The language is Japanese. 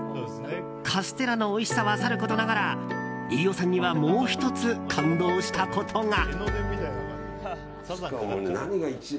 カステラのおいしさはさることながら飯尾さんにはもう１つ感動したことが。